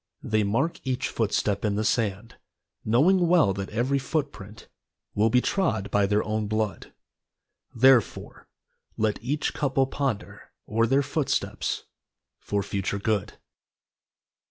They mark each footstep in the sand, Knowing well that every foot print Will be trod by their own blood, Therefore, let each couple ponder O'er their footsteps For future good.